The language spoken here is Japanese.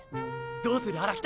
どうする荒北！